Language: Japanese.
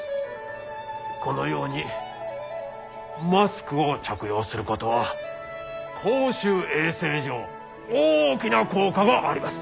このようにマスクを着用することは公衆衛生上大きな効果があります。